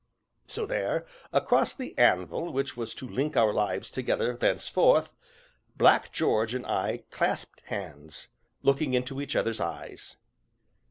So there, across the anvil which was to link our lives together thenceforth, Black George and I clasped hands, looking into each other's eyes.